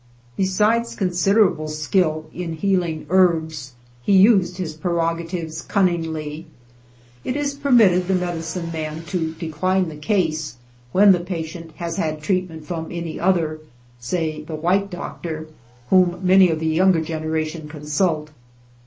Besides considerable skill in healing herbs, he used his prerogatives cunningly. It is permit ted the medicine man to decline the case when the patient has had treatment from 96 SHOSHONE LAND any other, say the white doctor, whom many of the younger generation consult.